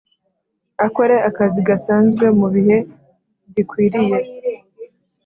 akore akazi gasanzwe mu bihe gikwiriye